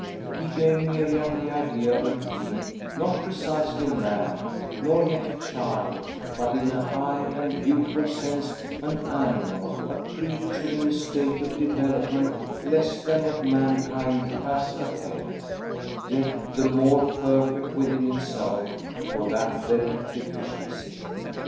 He gave Miriam the idea of a being not precisely man, nor yet a child, but, in a high and beautiful sense, an animal, a creature in a state of development less than what mankind has attained, yet the more perfect within itself for that very deficiency.